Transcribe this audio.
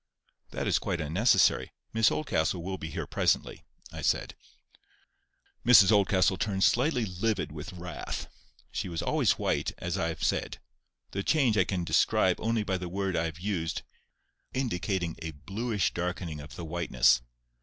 "That is quite unnecessary. Miss Oldcastle will be here presently," I said. Mrs Oldcastle turned slightly livid with wrath. She was always white, as I have said: the change I can describe only by the word I have used, indicating a bluish darkening of the whiteness.